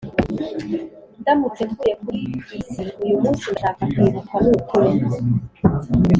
ndamutse mvuye kuri iyi si uyumunsi, ndashaka kwibukwa, nukuri,